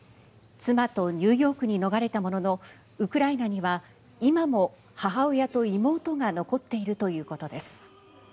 妻とニューヨークに逃れたもののウクライナには今も母親と妹が残っているということです。